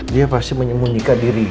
dia pasti menyemun jika diri